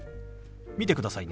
見てくださいね。